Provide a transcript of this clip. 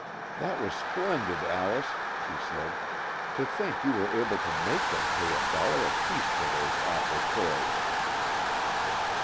"That was splendid, Alice," she said. "To think you were able to make them pay a dollar apiece for those awful toys!"